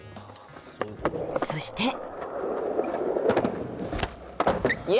そして。